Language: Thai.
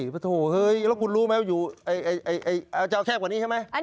โอ้โหแล้วคุณรู้ไหมว่าอยู่จะเอาแคบกว่านี้ใช่ไหม